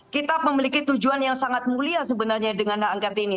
kita memiliki tujuan yang sangat mulia sebenarnya dengan hak angket ini